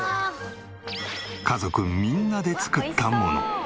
家族みんなで作ったもの。